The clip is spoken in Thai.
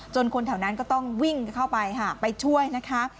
คนแถวนั้นก็ต้องวิ่งเข้าไปค่ะไปช่วยนะคะ